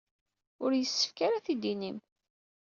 Ur yessefk ara ad t-id-tinim.